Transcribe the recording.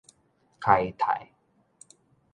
開泰